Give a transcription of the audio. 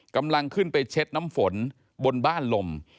กำลังขึ้นไปเช็ดน้ำฝนบนบ้านลม